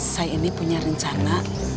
saya ini punya rencana